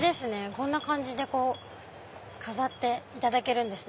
こんな感じで飾っていただけるんですね。